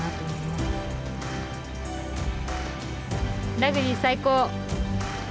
ラグビー最高！